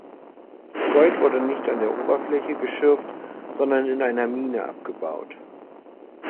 Das Gold wurde nicht an der Oberfläche geschürft, sondern in einer Mine abgebaut.